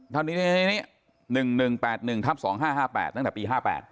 เท่านี้๑๑๘๑ทับ๒๕๕๘ตั้งแต่ปี๕๘